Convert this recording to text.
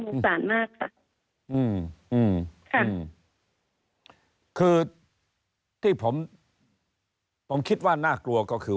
สารมากค่ะอืมอืมค่ะอืมคือที่ผมผมคิดว่าน่ากลัวก็คือ